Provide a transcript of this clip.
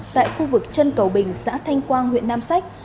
tại khu vực trân cầu bình xã thanh quang huyện nam sách